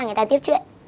người ta tiếp chuyện